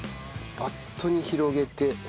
バットに広げて。